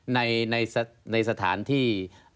ในสถานที่